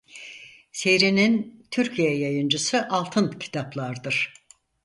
Serinin Türkiye yayıncısı Altın Kitaplar'dır.